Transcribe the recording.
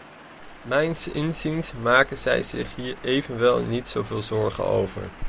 Mijns inziens maken zij zich hier evenwel niet zo veel zorgen over.